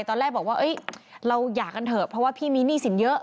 ตอนแรกบอกว่าเราหย่ากันเถอะเพราะว่าพี่มีหนี้สินเยอะ